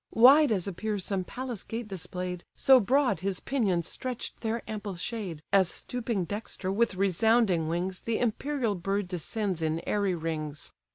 Wide as appears some palace gate display'd, So broad, his pinions stretch'd their ample shade, As stooping dexter with resounding wings The imperial bird descends in airy rings.